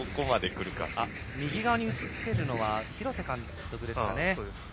右側に映ってたるのは廣瀬監督でしたかね。